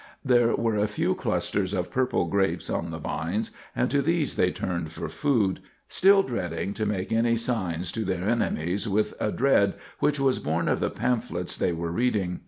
There were a few clusters of purple grapes on the vines, and to these they turned for food, still dreading to make any signs to their enemies, with a dread which was born of the pamphlets they were reading.